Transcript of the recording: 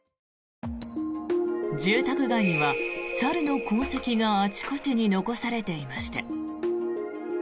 住宅街には猿の痕跡があちこちに残されていました。